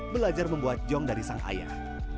belajar membuat jong dari sang ayah